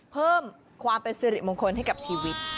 เพิ่มความเป็นสิริมงคลให้กับชีวิต